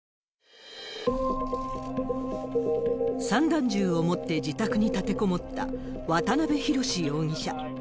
散弾銃を持って自宅に立てこもった渡辺宏容疑者。